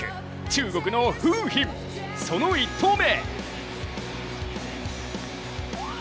中国の馮彬、その１投目。